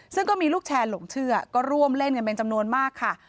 ซึ่งก็มีลูกแชร์หลงเชื่อก็ร่วมเล่นกันเป็นจำนวนมากค่ะ